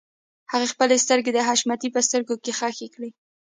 هغې خپلې سترګې د حشمتي په سترګو کې ښخې کړې.